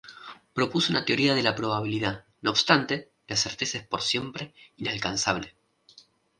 Propuso una teoría de la probabilidad; no obstante, la certeza es por siempre inalcanzable.